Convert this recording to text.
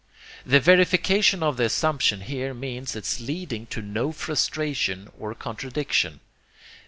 The verification of the assumption here means its leading to no frustration or contradiction.